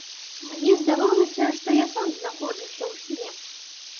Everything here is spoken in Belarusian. Мне здавалася, што я сам знаходжуся ў сне.